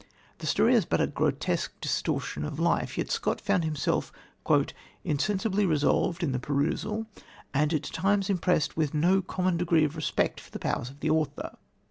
The story is but a grotesque distortion of life, yet Scott found himself "insensibly involved in the perusal and at times impressed with no common degree of respect for the powers of the author."